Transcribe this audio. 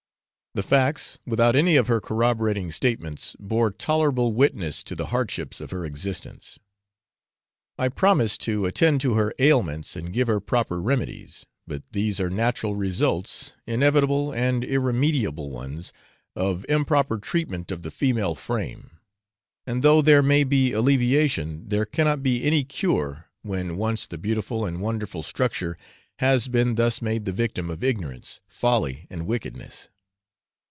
The facts, without any of her corroborating statements, bore tolerable witness to the hardships of her existence. I promised to attend to her ailments and give her proper remedies; but these are natural results, inevitable and irremediable ones, of improper treatment of the female frame and though there may be alleviation, there cannot be any cure when once the beautiful and wonderful structure has been thus made the victim of ignorance, folly, and wickedness.